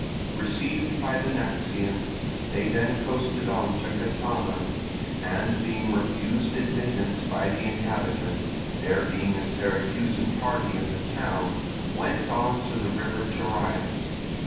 Received by the Naxians, they then coasted on to Catana, and being refused admittance by the inhabitants, there being a Syracusan party in the town, went on to the river Terias.